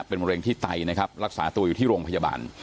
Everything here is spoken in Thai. เป็นมะเร็งที่ไตนะครับรักษาตัวอยู่ที่โรงพยาบาล